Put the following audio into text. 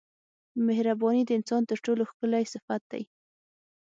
مهرباني د انسان تر ټولو ښکلی صفت دی.